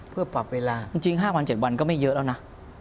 เพื่อปรับเวลาจริง๕วัน๗วันก็ไม่เยอะแล้วนะ